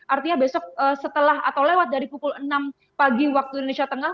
artinya besok setelah atau lewat dari pukul enam pagi waktu indonesia tengah